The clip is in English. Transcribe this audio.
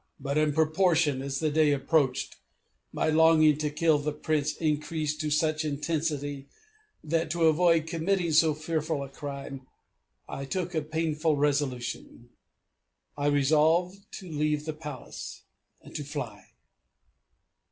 But in proportion as the day approached my longing to kill the Prince increased to such intensity, that to avoid committing so fearful a crime, I took a painful resolution.... I resolved to leave the Palace and to fly!